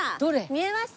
見えます？